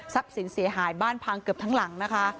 สินเสียหายบ้านพังเกือบทั้งหลังนะคะ